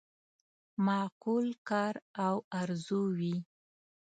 معقول کار او آرزو وي.